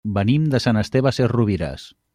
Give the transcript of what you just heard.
Venim de Sant Esteve Sesrovires.